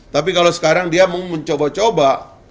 tapi kalau sekarang dia mau mencoba coba